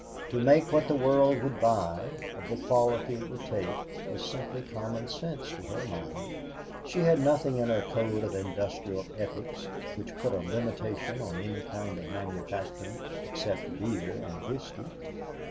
To make what the world would buy, of the quality it would take, was simply common sense to her mind. She had nothing in her code of industrial ethics which put a limitation on any kind of manufacturing except beer and whiskey.